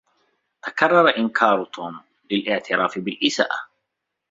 تكرر إنكار توم للاعتراف بالإساءة.